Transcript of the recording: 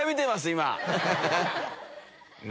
今。